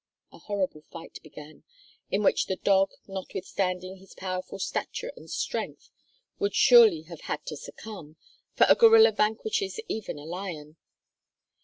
A horrible fight began, in which the dog, notwithstanding his powerful stature and strength, would surely have had to succumb, for a gorilla vanquishes even a lion.